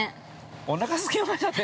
◆おなかすきましたね？